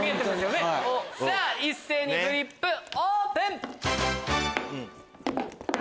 さぁ一斉にフリップオープン！